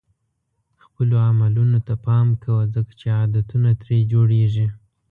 خپلو عملونو ته پام کوه ځکه چې عادتونه ترې جوړېږي.